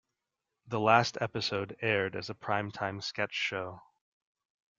The last episode aired as a primetime sketch show.